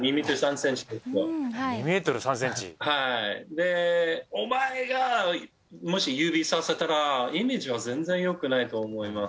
で「お前が」もし指さしたらイメージは全然よくないと思います。